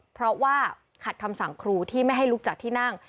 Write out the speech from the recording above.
เพราะว่าขัดคำสั่งครูที่ไม่ให้ลุกจากที่นั่ง